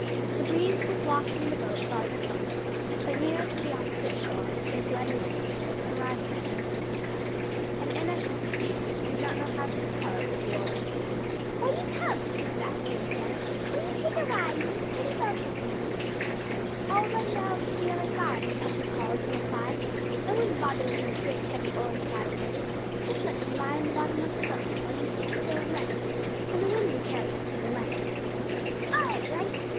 The breeze was wafting the boat farther from her, but nearer to the opposite shore; if let alone it would arrive there in the course of time, and Enna she perceived did not know how to propel it with the oars. "Will you come?" she was asking again, "will you take a ride in this pretty boat with me?" "I'll run round to the other side," Elsie called in reply. "I wouldn't bother with those great heavy oars, if I were you; just let them lie in the bottom of the boat, while you sit still and rest, and the wind will carry it to the land." "All right!"